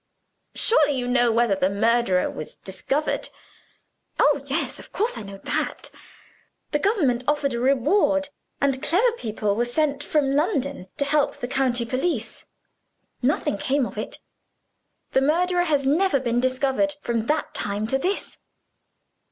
"Surely you know whether the murderer was discovered?" "Oh, yes of course I know that! The government offered a reward; and clever people were sent from London to help the county police. Nothing came of it. The murderer has never been discovered, from that time to this."